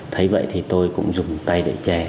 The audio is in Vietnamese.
thấy vậy thì tôi cũng dùng tay để chè